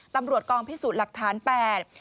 ตำรวจกองพิสูจน์หลักฐานแปด